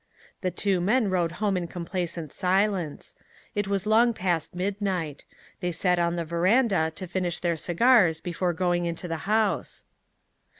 The two men rode home in complacent silence. It was long past midnight. They sat on the veranda to finish their cigars before going into the house.